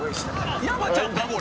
山ちゃんか？